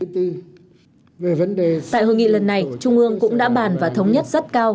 tại hội nghị lần này trung ương cũng đã bàn và thống nhất rất cao